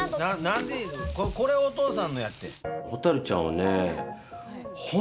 なんでこれ、お父さんのやって。